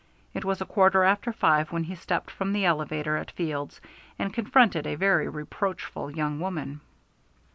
It was a quarter after five when he stepped from the elevator at Field's, and confronted a very reproachful young woman.